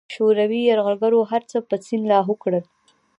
شوروي یرغلګرو هرڅه په سیند لاهو کړل.